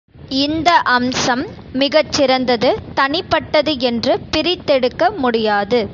இந்த அம்சம் மிகச் சிறந்தது, தனிப்பட்டது என்று பிரித்தெடுக்க முடியாது.